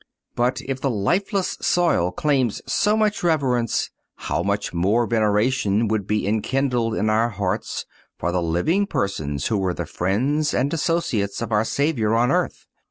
But if the lifeless soil claims so much reverence, how much more veneration would be enkindled in our hearts for the living persons who were the friends and associates of our Savior on earth!